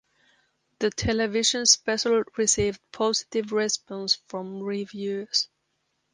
The television special received positive response from reviewers.